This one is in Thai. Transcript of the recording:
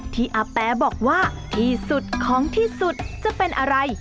ที่อาแปบอกว่าที่สุดของที่สุดจะเป็นอะไร